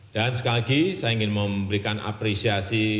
dan sekali lagi saya ingin memberikan apresiasi